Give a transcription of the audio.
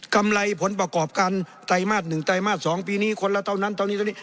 ำไรผลประกอบการไตรมาส๑ไตรมาส๒ปีนี้คนละเท่านั้นเท่านี้เท่านี้